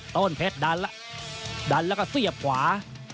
ต้นเพชรดันแล้วเสียบขวา